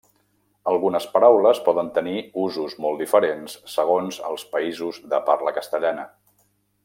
Algunes paraules poden tenir usos molt diferents segons els països de parla castellana.